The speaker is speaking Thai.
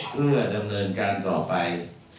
เพื่อดำเนินการต่อไป